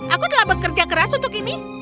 aku telah bekerja keras untuk ini